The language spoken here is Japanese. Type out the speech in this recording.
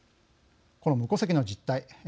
この無戸籍の実態